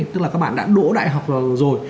tức là các bạn đã đổ đại học rồi